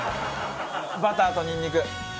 バターとニンニク！